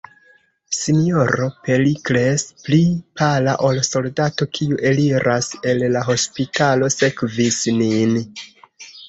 S-ro Perikles, pli pala ol soldato, kiu eliras el la hospitalo, sekvis nin.